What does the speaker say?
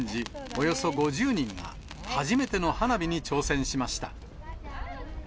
およそ５０人が、初めての花火に挑戦しました。